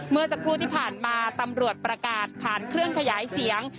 เมื่อสักครู่ที่ผ่านมาตำรวจประกาศผ่านเครื่องขยายเสียง